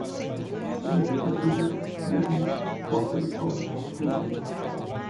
Navio-patrulha, navios, porta-helicóptero, quelândio